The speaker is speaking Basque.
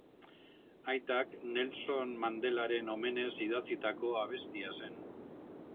Aitak Nelson Mandelaren omenez idatzitako abestia zen.